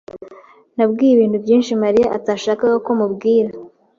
Nabwiye ibintu byinshi Mariya atashakaga ko mubwira.